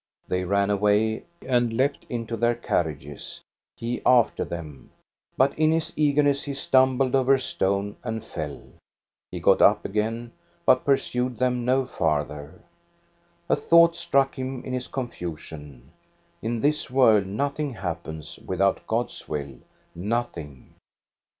They ran away and leaped into their carriages, he after them; but in his eagerness he stumbled over a stone and fell. He got up again, but pursued them no farther. A thought struck him in his confusion. In this world nothing happens without God's will, nothing.